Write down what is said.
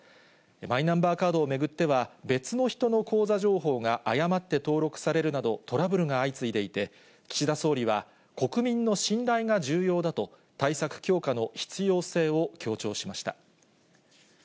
マイナンバーカードを巡っては、別の人の口座情報が誤って登録されるなど、トラブルが相次いでいて、岸田総理は、国民の信頼が重要だと、対策強化の必要性を強調しました。